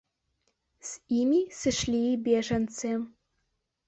З імі сышлі і бежанцы.